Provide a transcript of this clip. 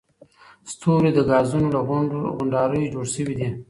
ستوري د ګازونو له غونډاریو جوړ شوي دي.